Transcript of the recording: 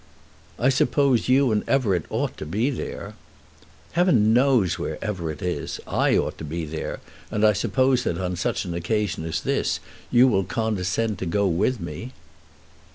"I suppose you and Everett ought to be there." "Heaven knows where Everett is. I ought to be there, and I suppose that on such an occasion as this you will condescend to go with me."